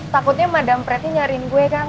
takutnya madam pretty nyariin gue kan